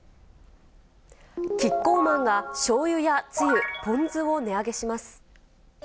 キッコーマンがしょうゆやつゆ、ポン酢を値上げします。